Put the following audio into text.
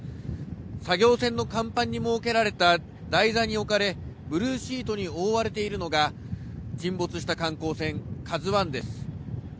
作業船の甲板に設けられた台座に置かれ、ブルーシートに覆われているのが、沈没した観光船、ＫＡＺＵＩです。